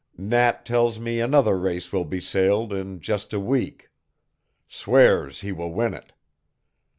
Nat tells me another race will be sailed in just a week. Swears he will win it.